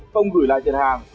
không gửi lại tiền hàng